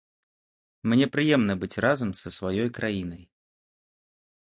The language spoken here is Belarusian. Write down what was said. Мне прыемна быць разам са сваёй краінай.